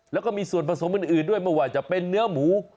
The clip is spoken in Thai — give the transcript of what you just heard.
แล้วก็มีส่วนผสมอื่นด้วยไม่ว่าจะเป็นเนื้อหมู